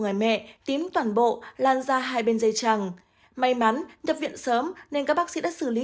người mẹ tím toàn bộ lan ra hai bên dây chẳng may mắn nhập viện sớm nên các bác sĩ đã xử lý